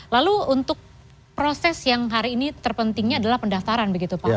lalu untuk proses yang hari ini terpentingnya adalah pendaftaran